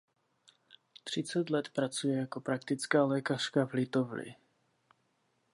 Třicet let pracuje jako praktická lékařka v Litovli.